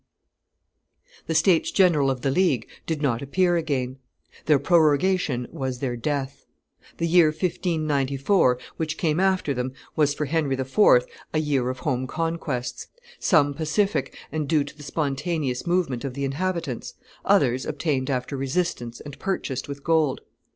] The states general of the League did not appear again; their prorogation was their death. The year 1594, which came after them, was for Henry IV. a year of home conquests, some pacific and due to the spontaneous movement of the inhabitants, others obtained after resistance and purchased with gold.